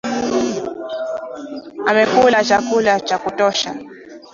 Amekula chakula cha kutosha